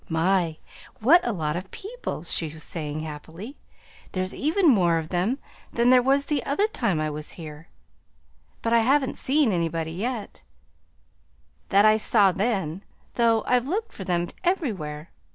"My! what a lot of people," she was saying happily. "There's even more of them than there was the other time I was here; but I haven't seen anybody, yet, that I saw then, though I've looked for them everywhere.